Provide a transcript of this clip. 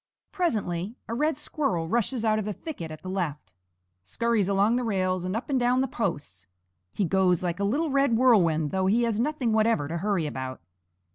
Presently a red squirrel rushes out of the thicket at the left, scurries along the rails and up and down the posts. He goes like a little red whirlwind, though he has nothing whatever to hurry about.